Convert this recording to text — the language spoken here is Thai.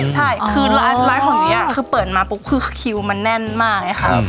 ใช่คือร้านของนี้คือเปิดมาปุ๊บคือคิวมันแน่นมากไงค่ะ